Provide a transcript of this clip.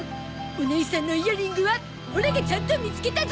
おねいさんのイヤリングはオラがちゃんと見つけたゾ！